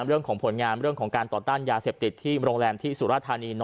เรื่องของผลงานเรื่องของการต่อต้านยาเสพติดที่โรงแรมที่สุราธานี